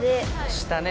下ね。